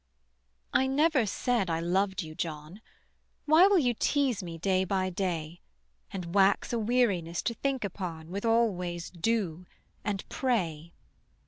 I never said I loved you, John: Why will you tease me, day by day, And wax a weariness to think upon With always "do" and "pray"?